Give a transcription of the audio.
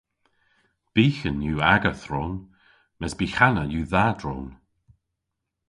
Byghan yw aga thron mes byghanna yw dha dron!